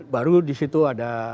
baru disitu ada